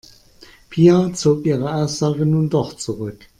Pia zog ihre Aussage nun doch zurück.